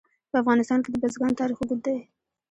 په افغانستان کې د بزګان تاریخ اوږد دی.